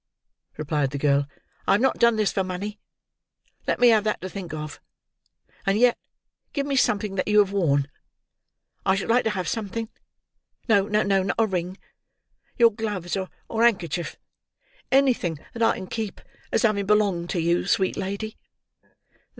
replied the girl. "I have not done this for money. Let me have that to think of. And yet—give me something that you have worn: I should like to have something—no, no, not a ring—your gloves or handkerchief—anything that I can keep, as having belonged to you, sweet lady.